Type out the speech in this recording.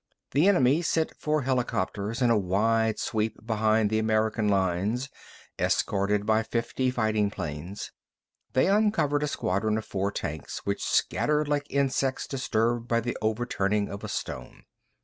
The enemy sent four helicopters in a wide sweep behind the American lines, escorted by fifty fighting planes. They uncovered a squadron of four tanks, which scattered like insects disturbed by the overturning of a stone.